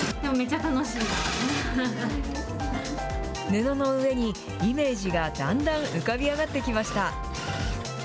布の上にイメージがだんだん浮かび上がってきました。